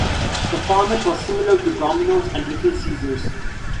The format was similar to Domino's and Little Caesars.